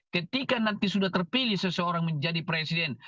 ketika nanti sudah terpilih seseorang menjadi presiden